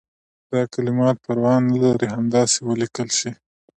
دا کلمات پروا نه لري همداسې ولیکل شي.